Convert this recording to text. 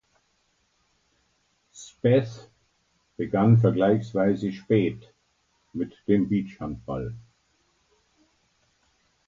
Speth begann vergleichsweise spät mit dem Beachhandball.